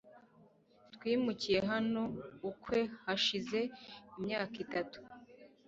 Twimukiye hano ukwe hashize imyaka itatu.